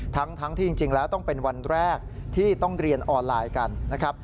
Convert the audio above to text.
ทั้งที่จริงแล้วต้องเป็นวันแรกที่ต้องเรียนออนไลน์กันนะครับ